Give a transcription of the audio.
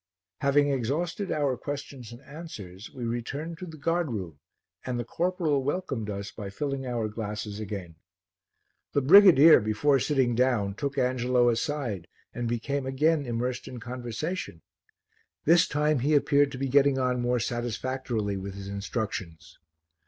Having exhausted our questions and answers we returned to the guard room and the corporal welcomed us by filling our glasses again. The brigadier, before sitting down, took Angelo aside and became again immersed in conversation; this time he appeared to be getting on more satisfactorily with his instructions.